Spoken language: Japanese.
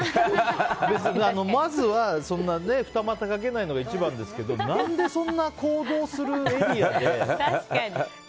まずは、二股かけないのが一番ですけど何でそんな行動するエリアで。